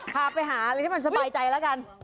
พาไปหาอะไรที่มันสบายใจแล้วกัน